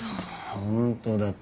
ホントだって。